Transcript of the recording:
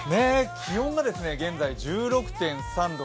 気温が現在、１６．３度。